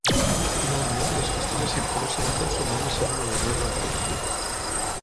Finalment, les festes acid house es van transformar en l'escena moderna de la rave.